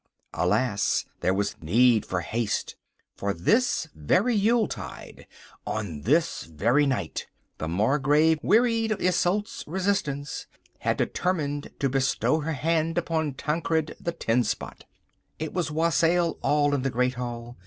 Alas! there was need for haste, for at this very Yuletide, on this very night, the Margrave, wearied of Isolde's resistance, had determined to bestow her hand upon Tancred the Tenspot. It was wassail all in the great hall.